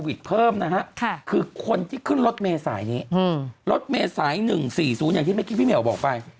โควิดเพิ่มนะฮะคือคนที่ขึ้นรถเมษายนี้รถเมษายหนึ่งสี่ศูนย์อย่างที่เมกี้พี่แมวบอกไป